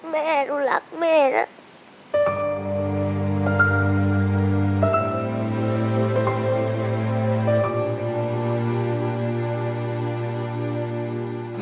แม่รู้รักแม่นะ